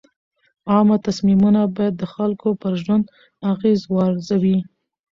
عامه تصمیمونه باید د خلکو پر ژوند اغېز وارزوي.